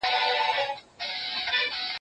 که مېرمني یې شپې ستړي په دُعا کړې